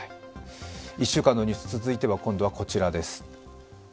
１週間のニュース、続いてはこちらです。